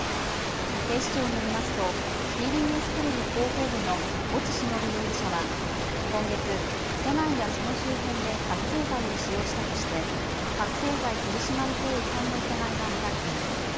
警視庁によりますとＴＢＳテレビ広報部の越智忍容疑者は今月都内やその周辺で覚醒剤を使用したとして覚醒剤取締法違反の疑いが持たれています。